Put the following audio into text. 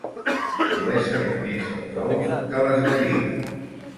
Voler saber més els ous que les gallines.